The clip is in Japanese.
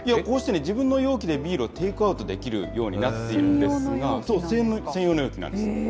こうして自分の容器でビールをテイクアウトできるようになっているんですが、専用の容器なんです。